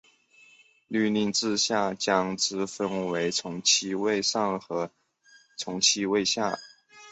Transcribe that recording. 律令制下将之分为从七位上和从七位下。